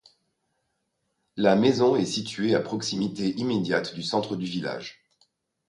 La maison est située à proximité immédiate du centre du village.